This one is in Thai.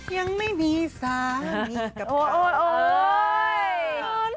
ยังไม่มีสามีกับเกิด